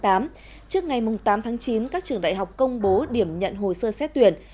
trước ngày tám tháng chín các trường đại học công bố điểm nhận hồ sơ xét tuyển